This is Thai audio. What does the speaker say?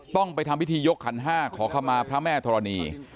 ต้องไปทำพิธียกขันห้าขอเข้ามาพระแม่ธรณี